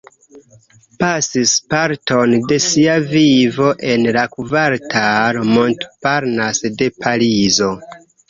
Pasis parton de sia vivo en la kvartalo Montparnasse de Parizo.